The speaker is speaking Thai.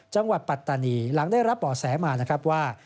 จังหวัดปัตตานีหลังได้รับอ่อแสมาว่า